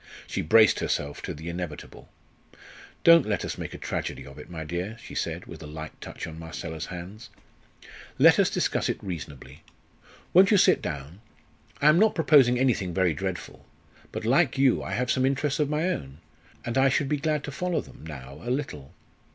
She braced herself to the inevitable. "Don't let us make a tragedy of it, my dear," she said, with a light touch on Marcella's hands. "Let us discuss it reasonably. Won't you sit down? I am not proposing anything very dreadful. But, like you, I have some interests of my own, and I should be glad to follow them now a little.